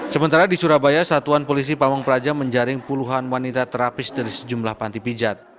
sementara di surabaya satuan polisi pamung praja menjaring puluhan wanita terapis dari sejumlah panti pijat